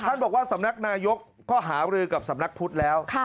ท่านบอกว่าสำนักนายกก็หารือกับสำนักพุทธแล้ว